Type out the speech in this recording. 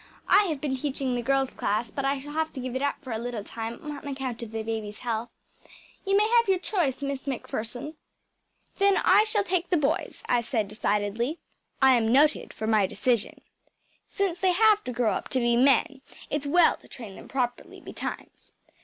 I have been teaching the girls’ class, but I shall have to give it up for a little time on account of the baby’s health. You may have your choice, Miss MacPherson.‚ÄĚ “Then I shall take the boys,‚ÄĚ I said decidedly. I am noted for my decision. “Since they have to grow up to be men it’s well to train them properly betimes.